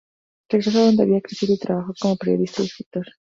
Regresó a donde había crecido y trabajó como periodista y escritor.